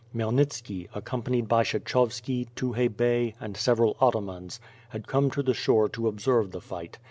Khmyelnitski, accompanied by Kshechovski, Tukhay Bey, and several atamans, had come to the shore to observe the fight.